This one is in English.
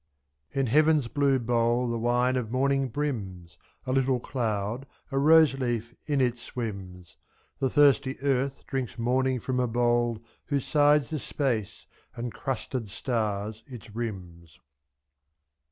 In Heaven's blue bowl the wine of morning brims, A little cloud, a rose leaf, in it swims, 2, The thirsty earth drinks morning from a bowl Whose sides are space and crusted stars its rims.